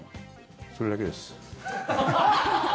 それだけです。